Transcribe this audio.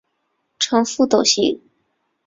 呈覆斗形。